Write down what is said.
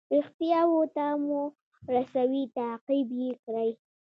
ریښتیاوو ته مو رسوي تعقیب یې کړئ.